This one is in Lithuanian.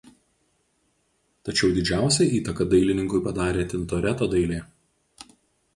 Tačiau didžiausią įtaką dailininkui padarė Tintoreto dailė.